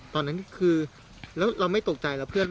ตอนนั้นคือแล้วเราไม่ตกใจแล้วเพื่อน